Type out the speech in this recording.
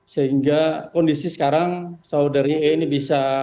sehingga kondisi sekarang so dari e ini bisa membaik mas resa